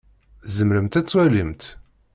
Tzemremt ad twalimt?